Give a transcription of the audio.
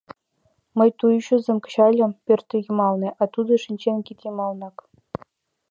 Мый ту ӱчызым кычальым... пӧртйымалне, а тудо шинчен кид йымалнак.